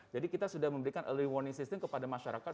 jadi kita sudah memberikan early warning system kepada masyarakat